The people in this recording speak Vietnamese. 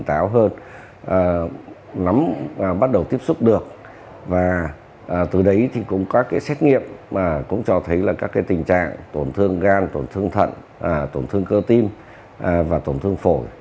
tổn thương gan tổn thương thận tổn thương cơ tim và tổn thương phổi